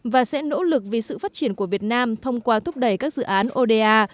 và sẽ nỗ lực vì sự phát triển của việt nam thông qua thúc đẩy các dự án oda